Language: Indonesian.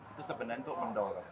itu sebenarnya untuk mendorong